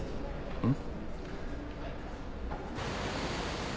うん。